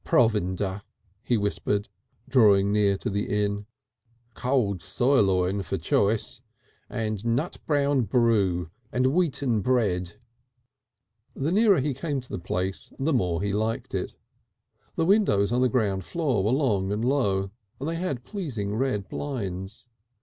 "Provinder," he whispered, drawing near to the Inn. "Cold sirloin for choice. And nut brown brew and wheaten bread." The nearer he came to the place the more he liked it. The windows on the ground floor were long and low, and they had pleasing red blinds.